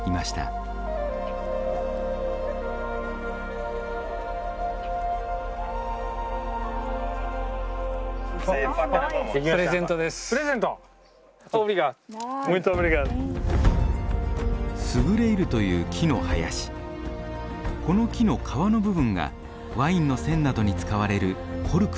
この木の皮の部分がワインの栓などに使われるコルクです。